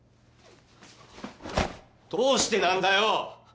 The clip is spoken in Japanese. どうしてなんだよ！